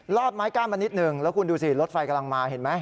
อดไม้กั้นมานิดหนึ่งแล้วคุณดูสิรถไฟกำลังมาเห็นไหม